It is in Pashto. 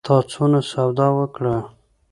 تا څونه سودا وکړه؟